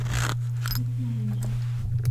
زود بیا اینجا!